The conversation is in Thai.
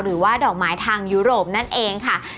หรือว่าดอกไม้ทางยุโรปนั่นเองค่ะ